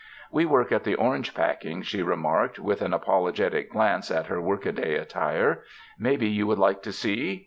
*'We work at the orange packing," she remarked, with an apologetic glance at her workaday attire, "maybe you would like to see?